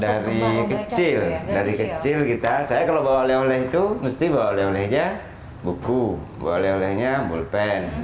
dari kecil dari kecil kita saya kalau bawa oleh oleh itu mesti bawa oleh olehnya buku bawa oleh olehnya mulpen